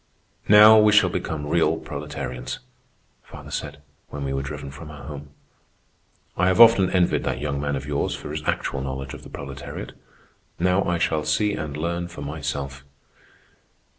"Now we shall become real proletarians," father said, when we were driven from our home. "I have often envied that young man of yours for his actual knowledge of the proletariat. Now I shall see and learn for myself."